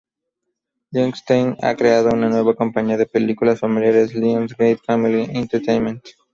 Lionsgate ha creado una nueva compañía de películas familiares, "Lions Gate family Entertainment".